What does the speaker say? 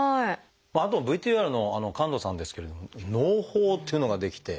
あとＶＴＲの神門さんですけれどものう胞っていうのが出来て。